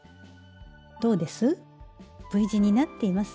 どうです？